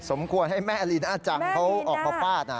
สมควรให้แม่อารีน่าจังเขาออกมาป้าดน่ะ